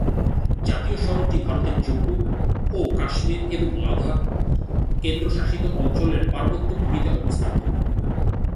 জাতীয় সড়কটি ভারতের জম্মু ও কাশ্মীর এবং লাদাখ কেন্দ্রশাসিত অঞ্চলের পার্বত্য ভূমিতে অবস্থিত।